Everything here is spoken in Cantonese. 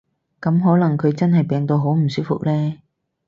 噉可能佢真係病到好唔舒服呢